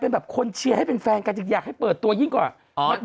เป็นแบบคนเชียร์ให้เป็นแฟนกันจริงอยากให้เปิดตัวยิ่งกว่า